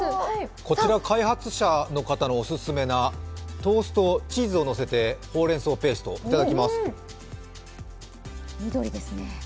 こちら開発者の方のオススメのトースト、チーズを乗せてほうれんそうペースト、いただきます。